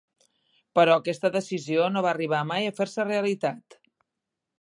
Però aquesta decisió no va arribar mai a fer-se realitat.